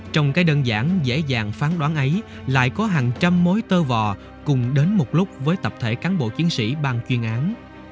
trong cái đơn giản dễ dàng phán đoán ấy lại có hàng trăm mối tơ vò cùng đến một lúc với tập thể cán bộ chiến sĩ bang chuyên án